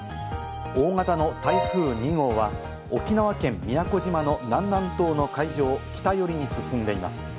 大型の台風２号は沖縄県宮古島の南南東の海上を北寄りに進んでいます。